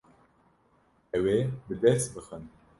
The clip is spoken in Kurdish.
Ew ê bi dest bixin.